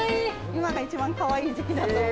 今が一番かわいい時期です！